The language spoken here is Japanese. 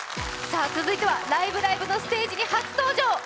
さあ続いては「ライブ！ライブ！」のステージに初登場